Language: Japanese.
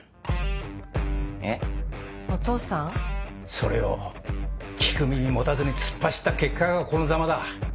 それを聞く耳持たずに突っ走った結果がこのザマだ。